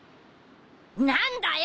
何だよ！